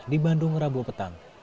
di bandung rabu petang